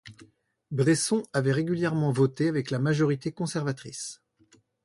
Bresson avait régulièrement voté avec la majorité conservatrice.